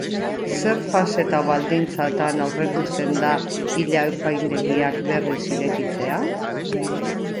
Zer fase eta baldintzatan aurreikusten da ile-apaindegiak berriz irekitzea?